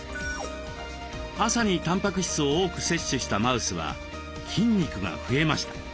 朝にたんぱく質を多く摂取したマウスは筋肉が増えました。